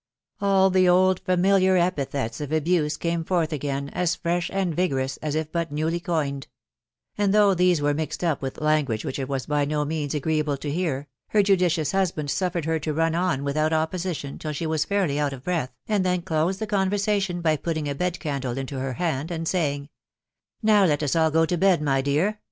All the old familiar epithets of abuse came forth again as fresh and vigorous as if but newly coined ; and though these were mixed up with language which it was by no means agreeable to hear, her judicious husband suffered her to run on without opposition till she was fairly out of breath, and then closed the conversation by putting a bed candle into her hand, and saying, —" Now let us all go to bed, my dear, •